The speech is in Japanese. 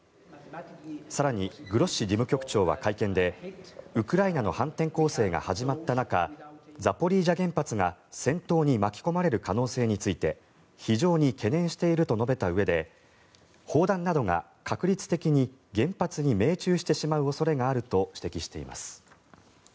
更に、グロッシ事務局長は会見でウクライナの反転攻勢が始まった中ザポリージャ原発が戦闘に巻き込まれる可能性について非常に懸念していると述べたうえで砲弾などが確率的に原発に命中してしまう恐れがあると指摘しています。